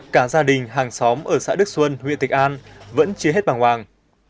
cả gia đình hàng xóm ở xã đức xuân huyện thạch an vẫn chia hết bằng hoàng